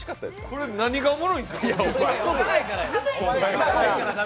これ、何がおもろいんですか？